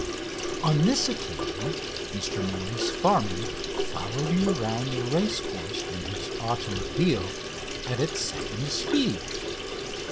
On this occasion Mr Maurice Farman followed me round the racecourse in his automobile at its second speed.